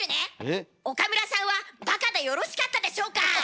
岡村さんはバカでよろしかったでしょうか？